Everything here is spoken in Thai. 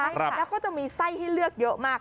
แล้วก็จะมีไส้ให้เลือกเยอะมาก